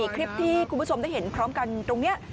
คลิปที่คุณผู้ชมได้เห็นพร้อมกันตรงนี้